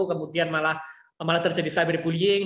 kemudian malah terjadi cyberbullying